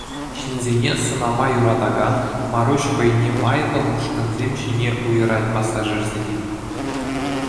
Ҫынсене сӑнама юратакан Маруҫ хӑйне майлӑ ушкӑнсем ҫине уйӑрать пассажирсене.